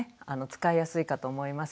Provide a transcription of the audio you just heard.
使いやすいかと思います。